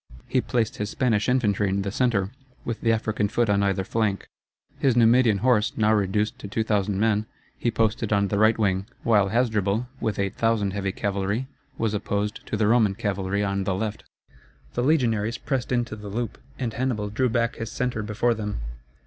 He placed his Spanish infantry in the centre, with the African foot on either flank. His Numidian horse, now reduced to 2,000 men, he posted on the right wing; while Hasdrubal, with 8,000 heavy cavalry, was opposed to the Roman cavalry on the left. The legionaries pressed into the loop, and Hannibal drew back his centre before them.